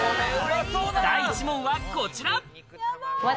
第１問はこちら。